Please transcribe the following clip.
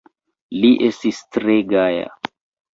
Li estis tre gaja.